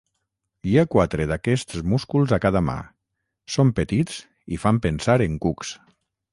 Hi ha quatre d'aquests músculs a cada mà; són petits, i fan pensar en cucs.